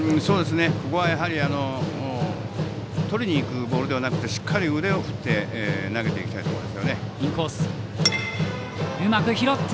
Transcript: ここはとりにいくボールではなくてしっかり腕を振って投げていきたいところですね。